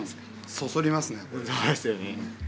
そそりますね。